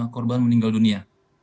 korban meninggal dunia